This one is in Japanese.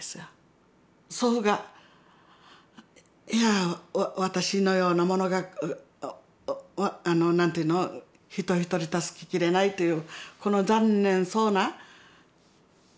祖父がいや私のような者があの何ていうの人ひとり助けきれないっていうこの残念そうな。